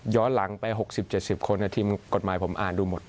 หลังไป๖๐๗๐คนทีมกฎหมายผมอ่านดูหมด